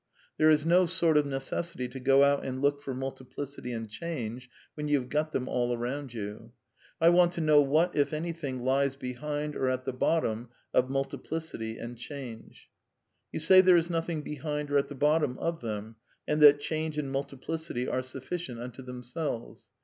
There is no sort of necessity to go out and look for multiplicity and change when you have got them all around you. I want to faiow what, if anything, lies be hind or at the bottom of multiplicity and change. You say there is nothing behind or at the bottom of them, and that change and multiplicity are sufficient unto themselves.